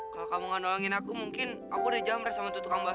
kalau kamu gak nolongin aku mungkin aku udah jamre sama tuh tukang bak